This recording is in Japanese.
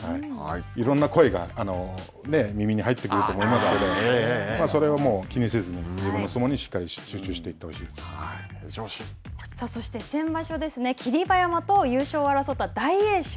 いろんな声が耳に入ってくると思いますけど、それはもう気にせずに、自分の相撲にしっかり集中しそして先場所、霧馬山と優勝を争った大栄翔。